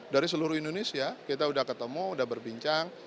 dari seluruh indonesia kita sudah ketemu sudah berbincang